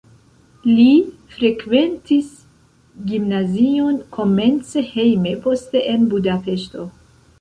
Li frekventis gimnazion komence hejme, poste en Budapeŝto.